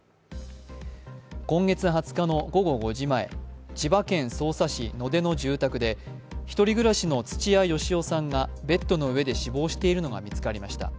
今月２０日の午後５時前、千葉県匝瑳市野手の住宅で１人暮らしの土屋好夫さんがベッドの上で死亡しているのが見つかりました。